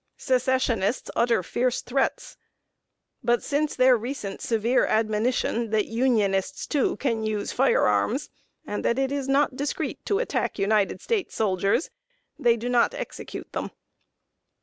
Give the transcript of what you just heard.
Secessionists utter fierce threats; but since their recent severe admonition that Unionists, too, can use fire arms, and that it is not discreet to attack United States soldiers, they do not execute them.